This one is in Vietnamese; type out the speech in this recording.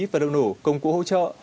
và điều nổ công cụ hỗ trợ